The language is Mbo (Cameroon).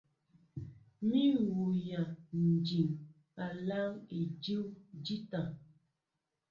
Mi m̀wɔ́ŋyā Ǹ dǐŋ aláŋ edíw ǹjíta.